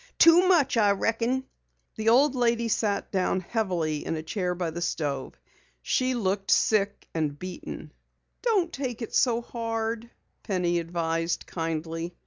Too much, I reckon." The old lady sat down heavily in a chair by the stove. She looked sick and beaten. "Don't take it so hard," Penny advised kindly.